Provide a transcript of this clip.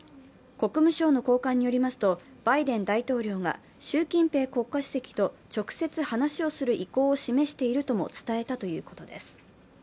国務省の高官によりますと、バイデン大統領が習近平国家主席と直接話をする意向を示しているとも伝えたということです。